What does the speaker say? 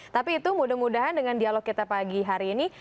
tapi itu mudah mudahan dengan dialog kita pagi hari ini